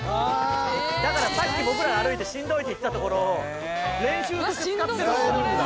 だからさっき僕らが歩いてしんどいって言ってた所を練習として使ってるんだ。